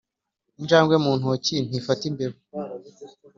injangwe mu ntoki ntifata imbeba.